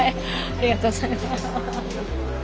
ありがとうございます。